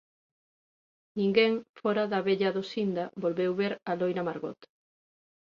Ninguén, fóra da vella Dosinda, volveu ver á loira Margot.